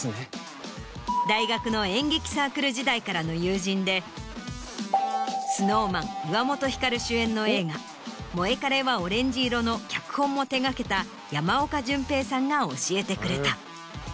大学の演劇サークル時代からの友人でＳｎｏｗＭａｎ・岩本照主演の映画『モエカレはオレンジ色』の脚本も手がけた山岡潤平さんが教えてくれた。